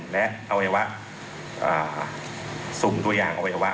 และอวัยวะซุ่มตัวอย่างอวัยวะ